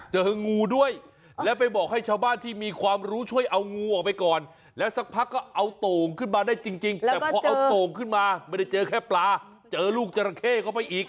เจองูด้วยแล้วไปบอกให้ชาวบ้านที่มีความรู้ช่วยเอางูออกไปก่อนแล้วสักพักก็เอาโต่งขึ้นมาได้จริงแต่พอเอาโต่งขึ้นมาไม่ได้เจอแค่ปลาเจอลูกจราเข้เข้าไปอีก